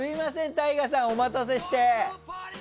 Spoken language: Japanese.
ＴＡＩＧＡさん、お待たせして。